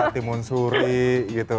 timun suri gitu